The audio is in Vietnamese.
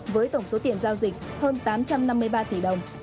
với tổng số tiền giao dịch hơn tám trăm năm mươi ba tỷ đồng